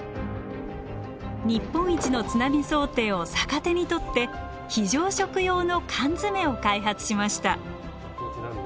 日本一の津波想定を逆手にとって「非常食用の缶詰」を開発しました。